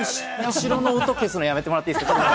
後ろの音消すのやめてもらっていいですか？